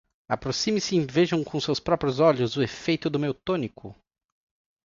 Aproximem-se e vejam com os seus próprios olhos o efeito do meu tônico!